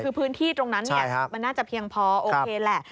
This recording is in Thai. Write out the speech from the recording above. คือพื้นที่ตรงนั้นมันน่าจะเพียงพอโอเคแหละ